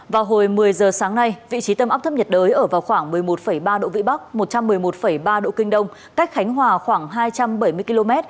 vào hồi một mươi giờ sáng nay vị trí tâm áp thấp nhiệt đới ở vào khoảng một mươi một ba độ vĩ bắc một trăm một mươi một ba độ kinh đông cách khánh hòa khoảng hai trăm bảy mươi km